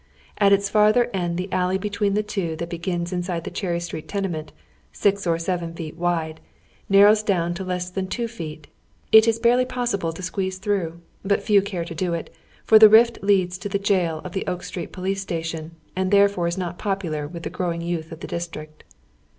At its farther end the alley between the two that begins inside the Cherry Street tenement, six or seven feet wide, nar rows down to loss than two feet. It is bai ely possible to squeeze through ; but few care to do it, for the rift leads to the jail of the Oak Street police station, and therefore is not popular witli the growing youth of the district.